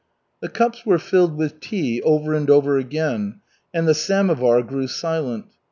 The cups were filled with tea over and over again, and the samovar grew silent.